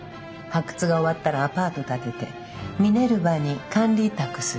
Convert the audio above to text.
発掘が終わったらアパート建ててミネルヴァに管理委託する。